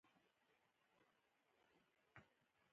کله چې افغانستان په کورني جنګ کې ښکېل شو.